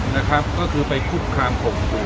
นะครับก็คือไปคุกคามข่มขู่